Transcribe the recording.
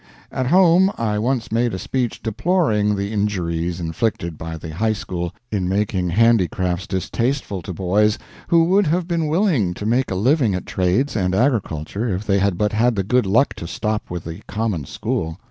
At home I once made a speech deploring the injuries inflicted by the high school in making handicrafts distasteful to boys who would have been willing to make a living at trades and agriculture if they had but had the good luck to stop with the common school.